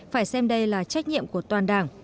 phải xem đây là trách nhiệm của toàn đảng